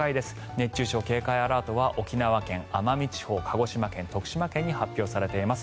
熱中症警戒アラートは沖縄県・奄美地方鹿児島県、徳島県に発表されています。